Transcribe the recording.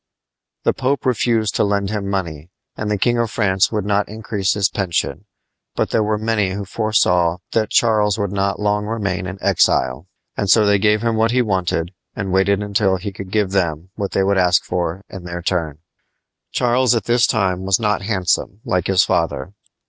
The Pope refused to lend him money, and the King of France would not increase his pension, but there were many who foresaw that Charles would not long remain in exile; and so they gave him what he wanted and waited until he could give them what they would ask for in their turn. Charles at this time was not handsome, like his father.